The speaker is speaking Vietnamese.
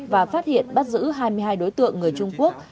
và phát hiện bắt giữ hai mươi hai đối tượng người trung quốc